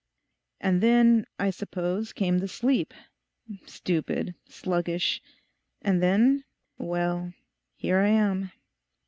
And then, I suppose, came the sleep—stupid, sluggish: and then; well, here I am.